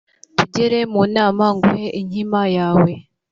tugere mu nama nguhe inkima yawe